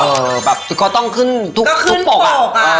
เออแบบก็ต้องขึ้นทุกปกอะก็ขึ้นปกอะ